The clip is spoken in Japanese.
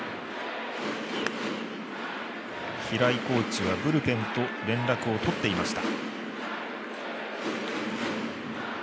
平井コーチはブルペンと連絡を取っていました。